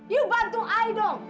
ibu bantu ibu dong